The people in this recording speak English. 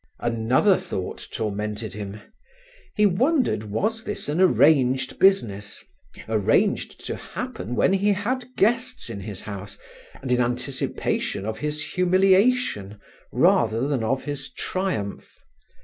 Another thought tormented him: He wondered was this an arranged business—arranged to happen when he had guests in his house, and in anticipation of his humiliation rather than of his triumph?